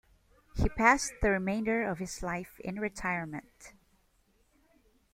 He passed the remainder of his life in retirement.